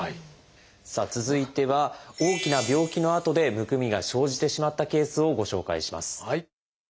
さあ続いては大きな病気のあとでむくみが生じてしまったケースをご紹介します。